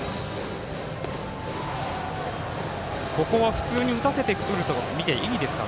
普通に打たせてくるとみていいでしょうか。